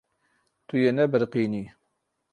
Tu yê nebiriqînî.